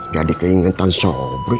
jadi keingetan sobri